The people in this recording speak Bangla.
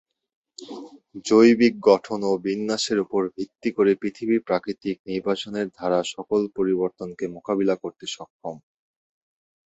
জৈবিক গঠন ও বিন্যাসের উপর ভিত্তি করে পৃথিবী প্রাকৃতিক নির্বাচনের দ্বারা সকল পরিবর্তনকে মোকাবিলা করতে সক্ষম।